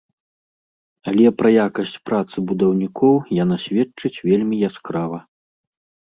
Але пра якасць працы будаўнікоў яна сведчыць вельмі яскрава.